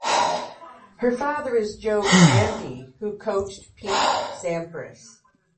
Her father is Joe Brandi, who coached Pete Sampras.